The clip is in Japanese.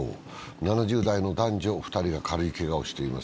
７０代の男女２人が軽いけがをしています。